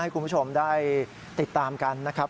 คุณผู้ชมได้ติดตามกันนะครับ